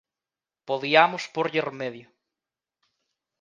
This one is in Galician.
Podiamos pórlle remedio.